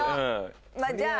まあじゃあ。